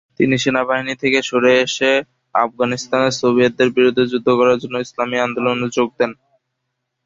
তিনি সেনাবাহিনী থেকে সরে এসে আফগানিস্তানে সোভিয়েতদের বিরুদ্ধে যুদ্ধ করার জন্য ইসলামী আন্দোলনে যোগ দেন।